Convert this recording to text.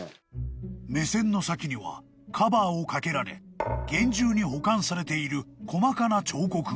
［目線の先にはカバーをかけられ厳重に保管されている細かな彫刻が］